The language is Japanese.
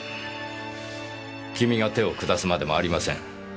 君が手を下すまでもありません。